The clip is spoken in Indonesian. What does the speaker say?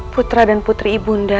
putra dan putri ibu kak